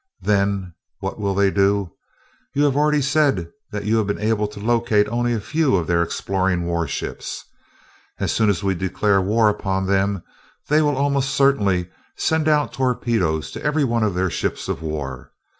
Then what will they do? You have already said that you have been able to locate only a few of their exploring warships. As soon as we declare war upon them they will almost certainly send out torpedoes to every one of their ships of war.